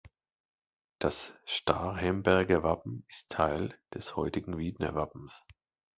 Das Starhemberger Wappen ist Teil des heutigen Wiedner Wappens.